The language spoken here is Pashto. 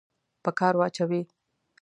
په کار واچوي.